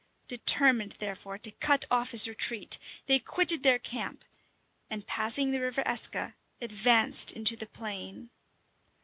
[*] Determined therefore to cut off his retreat, they quitted their camp; and passing the River Eske, advanced into the plain.